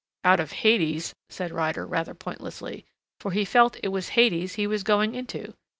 "Out of Hades," said Ryder, rather pointlessly, for he felt it was Hades he was going into.